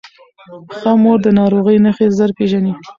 ښه مور د ناروغۍ نښې ژر پیژني.